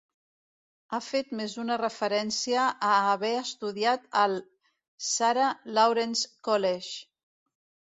Ha fet més d'una referència a haver estudiat al Sarah Lawrence College.